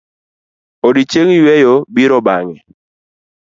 Odiochieng' yueyo biro bang'e.